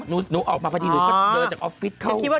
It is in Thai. หนูออกมาพอดีหนูก็เดินจากออฟฟิศเขา